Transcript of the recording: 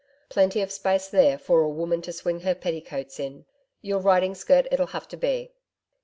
Plenty of space there for a woman to swing her petticoats, in your riding skirt it'll have to be.'